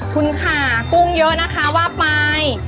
คุณค่ะกุ้งเยอะนะคะว่าไป